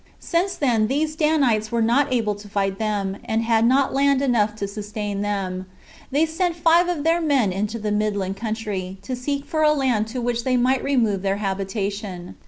Since then these Danites were not able to fight them, and had not land enough to sustain them, they sent five of their men into the midland country, to seek for a land to which they might remove their habitation.